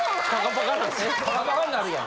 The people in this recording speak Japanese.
パカパカになるやん。